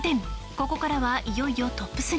ここからはいよいよトップ３。